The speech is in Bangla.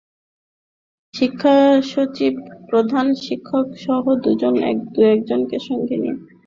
শিক্ষা সচিব, প্রধান শিক্ষকসহ দু-একজনকে সঙ্গে নিয়ে পরীক্ষা কেন্দ্র পরিদর্শন করেন তিনি।